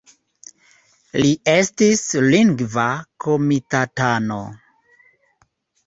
Li estis Lingva Komitatano.